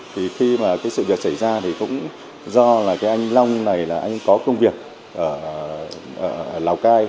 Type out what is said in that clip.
thì cũng do là cái anh long này là anh có công việc ở lào cai